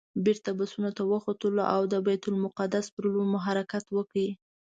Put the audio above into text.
بېرته بسونو ته وختلو او د بیت المقدس پر لور مو حرکت وکړ.